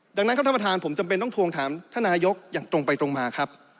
ดังนั้นครับท่านประธานผมจำเป็นต้องทวงถามท่านนายกอย่างตรงไปตรงมาครับ